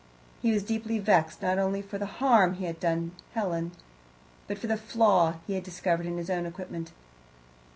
He was deeply vexed, not only for the harm he had done Helen, but for the flaw he had discovered in his own equipment.